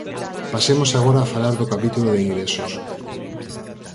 Pasemos agora a falar do capítulo de ingresos.